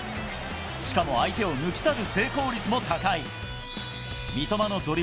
しかも相手を抜き去る成功率も高い。